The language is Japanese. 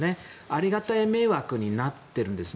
ありがた迷惑になっているんです。